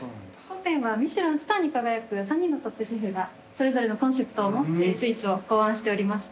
当店は『ミシュラン』スターに輝く３人のトップシェフがそれぞれのコンセプトをもってスイーツを考案しておりまして。